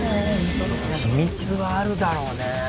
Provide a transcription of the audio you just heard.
秘密はあるだろうね。